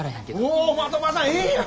おお的場さんええやん！